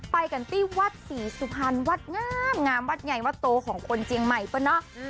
ไปกันที่วัดศรีสุพรรณวัดงามวัดใหญ่วัดโตของคนเจียงใหม่ป่ะเนาะ